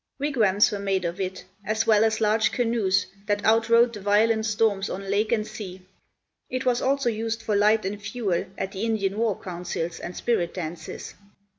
Wigwams were made of it, as well as large canoes that out rode the violent storms on lake and sea. It was also used for light and fuel at the Indian war councils and spirit dances.